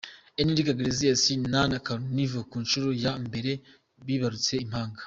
Enrique Iglesias na Anna Kournikova ku nshuro ya mbere bibarutse impanga.